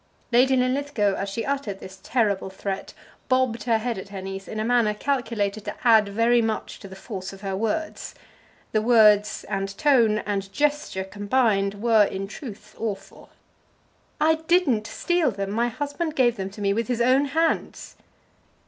Lady Linlithgow, as she uttered this terrible threat, bobbed her head at her niece in a manner calculated to add very much to the force of her words. The words, and tone, and gesture combined were, in truth, awful. "I didn't steal them. My husband gave them to me with his own hands."